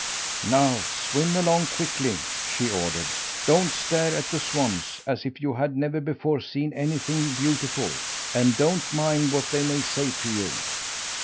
"Now, swim along quickly!" she ordered. "Don't stare at the swans as if you had never before seen anything beautiful, and don't mind what they may say to you!"